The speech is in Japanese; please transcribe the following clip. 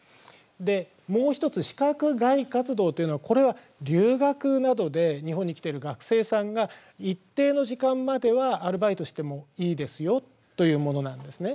でもう一つ資格外活動というのはこれは留学などで日本に来ている学生さんが一定の時間まではアルバイトをしてもいいですよというものなんですね。